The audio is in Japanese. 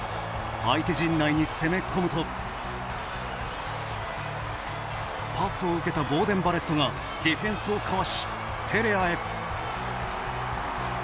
相手陣内に攻め込むとパスを受けたボーデン・バレットがディフェンスをかわし、テレアへ。